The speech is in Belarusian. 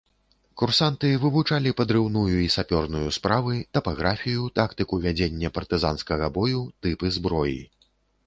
Курсанты вывучалі падрыўную і сапёрную справы, тапаграфію, тактыку вядзення партызанскага бою, тыпы зброі.